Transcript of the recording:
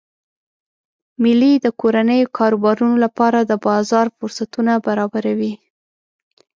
میلې د کورنیو کاروبارونو لپاره د بازار فرصتونه برابروي.